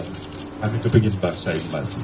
kami kepingin bapak saya memanjir